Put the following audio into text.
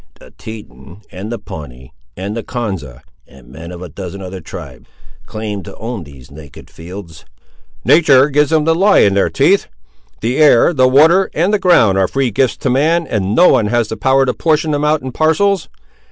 "The Teton, and the Pawnee, and the Konza, and men of a dozen other tribes, claim to own these naked fields." "Natur' gives them the lie in their teeth. The air, the water, and the ground, are free gifts to man, and no one has the power to portion them out in parcels.